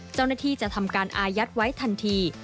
เจ้าหน้าที่จะทำการอายัดไว้ทันที